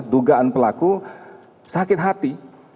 dugaan pelaku sakit hati